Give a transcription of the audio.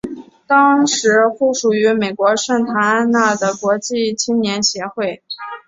当时附属于美国圣塔安娜的国际青年协会。